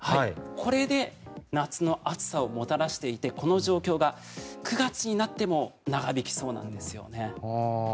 これで夏の暑さをもたらしていてこの状況が９月になっても長引きそうなんですよね。